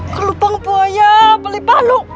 kelupang buaya beli baluk